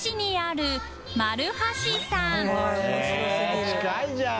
えっ近いじゃん！